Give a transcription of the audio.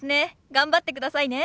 頑張ってくださいね。